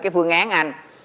cái phương án anh